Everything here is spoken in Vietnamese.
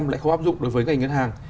lại không áp dụng đối với ngành ngân hàng